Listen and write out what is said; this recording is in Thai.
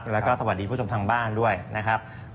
แล้วก็สวัสดีผู้ชมทางบ้านด้วยนะครับ